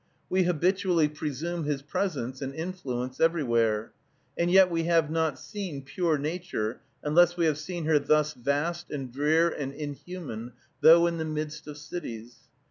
We habitually presume his presence and influence everywhere. And yet we have not seen pure Nature, unless we have seen her thus vast and drear and inhuman, though in the midst of cities.